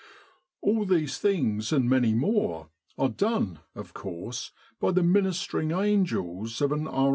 All these things and many more, are done, of course, by the ministering angels of an R.